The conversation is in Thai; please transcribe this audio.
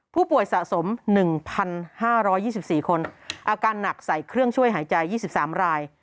ผู้ป่วยสะสมหนึ่งพันห้าร้อยยี่สิบสี่คนอาการหนักใส่เครื่องช่วยหายใจยี่สิบสามราย